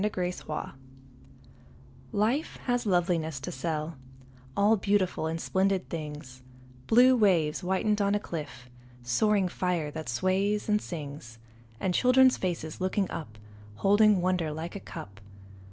Part I Barter LIFE has loveliness to sell, All beautiful and splendid things, Blue waves whitened on a cliff, Soaring fire that sways and sings, And children's faces looking up Holding wonder like a cup.